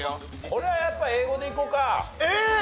これはやっぱえっ！？